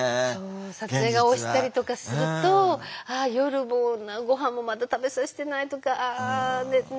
撮影が押したりとかすると「夜もごはんもまだ食べさせてない」とか「あ寝てるかな」とか。